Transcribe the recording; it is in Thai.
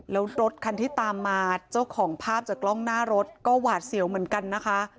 แล้วรถคันที่ตามมาเจ้าของภาพจากกล้องหน้ารถก็หวาดเสียวเหมือนกันนะคะ